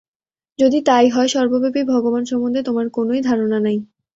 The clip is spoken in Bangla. যদি তাই হয়, সর্বব্যাপী ভগবান সম্বন্ধে তোমার কোনই ধারণা নাই।